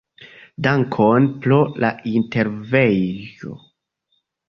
Dankon pro la intervjuo!